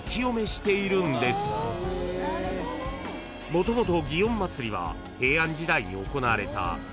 ［もともと］